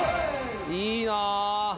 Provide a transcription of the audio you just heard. いいなぁ。